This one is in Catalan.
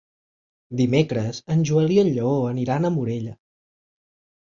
Dimecres en Joel i en Lleó aniran a Morella.